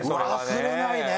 忘れないね。